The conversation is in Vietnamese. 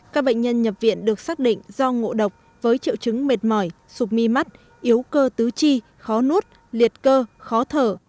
các bệnh nhân nhập viện được xác định do ngộ độc với triệu chứng mệt mỏi sụp mi mắt yếu cơ tứ chi khó nuốt liệt cơ khó thở